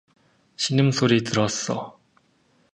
신음소리 들었어.